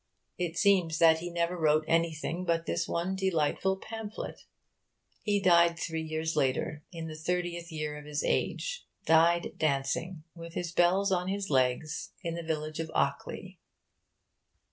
It seems that he never wrote anything but this one delightful pamphlet. He died three years later, in the thirtieth year of his age died dancing, with his bells on his legs, in the village of Ockley.